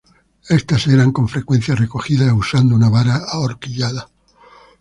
Estas eran con frecuencia recogidas usando una vara ahorquillada.